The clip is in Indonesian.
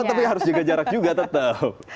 oh tapi harus juga jarak juga tetap